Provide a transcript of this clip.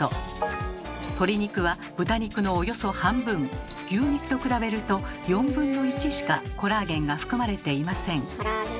鶏肉は豚肉のおよそ半分牛肉と比べると４分の１しかコラーゲンが含まれていません。